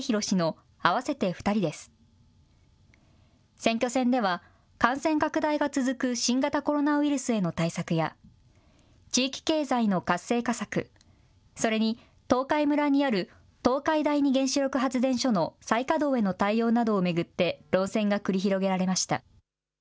選挙戦では、感染拡大が続く新型コロナウイルスへの対策や、地域経済の活性化策、それに東海村にある東海第二原子力発電所の再稼働への対応などを巡って論戦が繰り広げられました。